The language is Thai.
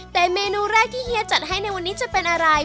แต่เมนูแรกที่เฮียจัดให้ในวันนี้จะเป็นอะไร